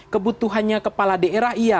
kebutuhannya kepala daerah iya